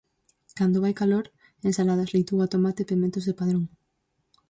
Cando vai calor, ensaladas: leituga, tomate, pementos de Padrón.